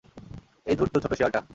ওই ধূর্ত ছোট শিয়ালটা!